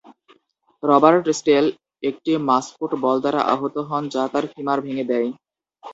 Robert Stell একটি mascot ball দ্বারা আহত হন যা তার ফিমার ভেঙ্গে দেয়।